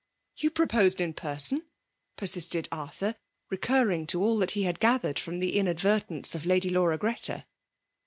''You proposed in person?" persisted Ar* tbor, recurring to all he had gatliered firom the inadTertenee of Lady Laura Greta.